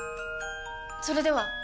それでは！